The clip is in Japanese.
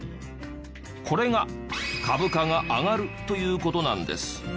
これが株価が上がるという事なんです。